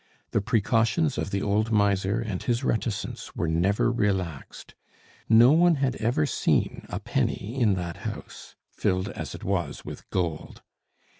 The precautions of the old miser and his reticence were never relaxed. No one had ever seen a penny in that house, filled as it was with gold.